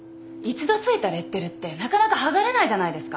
一度ついたレッテルってなかなか剥がれないじゃないですか。